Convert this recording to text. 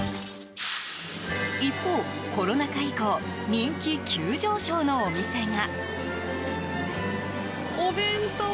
一方、コロナ禍以降人気急上昇のお店が。